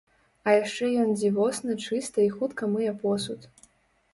А яшчэ ён дзівосна чыста і хутка мые посуд!